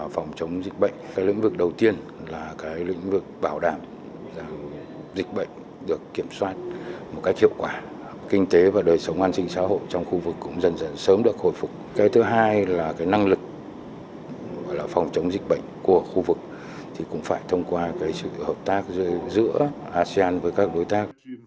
phòng chống dịch bệnh của khu vực cũng phải thông qua sự hợp tác giữa asean với các đối tác